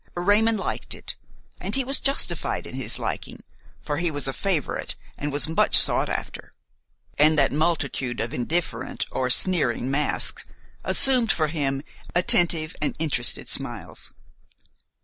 Raymon liked it, and he was justified in his liking, for he was a favorite and was much sought after; and that multitude of indifferent or sneering masks assumed for him attentive and interested smiles.